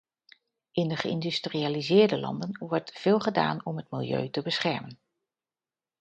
In de geïndustrialiseerde landen wordt veel gedaan om het milieu te beschermen.